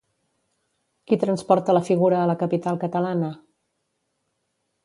Qui transporta la figura a la capital catalana?